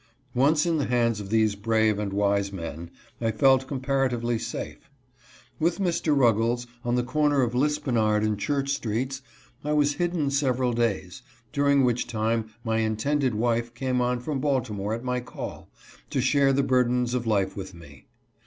Once in the hands of these brave and wise men, I felt comparatively safe. With Mr. Ruggles, on the corner of Lispenard and Church streets, I was hidden several days, during which time my intended wife came on from Baltimore at my call, to share the burdens of life with me.